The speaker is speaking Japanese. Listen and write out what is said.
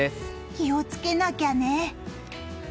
気をつけなきゃね。